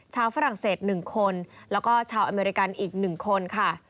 ฝรั่งเศส๑คนแล้วก็ชาวอเมริกันอีก๑คนค่ะ